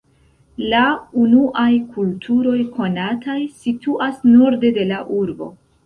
La unuaj kulturoj konataj situas norde de la urbo.